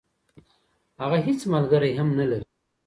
هغه هیڅ ملګری هم نلري.